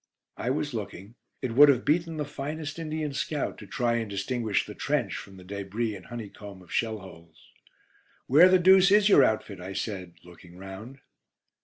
I was looking. It would have beaten the finest Indian scout to try and distinguish the trench from the débris and honeycomb of shell holes. "Where the deuce is your outfit?" I said, looking round.